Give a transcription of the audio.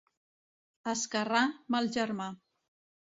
Esquerrà, mal germà.